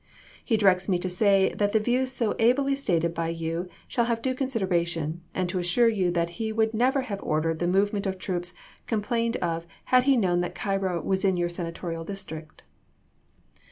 He directs me to say that the views so ably stated by you shaU have due consideration, and to assure you that he would never have ordered the move j^bnson, ment of troops complained of had he known that ^'"na ^''^* Cau'o was in your Senatorial district."